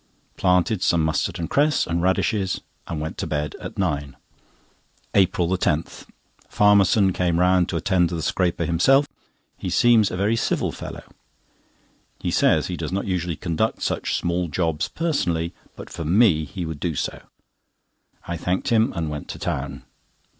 Planted some mustard and cress and radishes, and went to bed at nine. APRIL 10.—Farmerson came round to attend to the scraper himself. He seems a very civil fellow. He says he does not usually conduct such small jobs personally, but for me he would do so. I thanked him, and went to town.